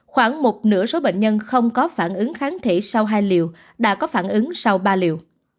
khoảng một nửa số bệnh nhân không có phản ứng kháng thể sau hai liều đã có phản ứng sau ba liều